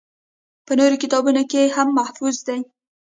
پۀ نورو کتابونو کښې هم محفوظ دي